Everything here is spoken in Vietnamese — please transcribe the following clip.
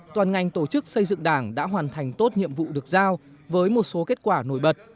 toàn ngành tổ chức xây dựng đảng đã hoàn thành tốt nhiệm vụ được giao với một số kết quả nổi bật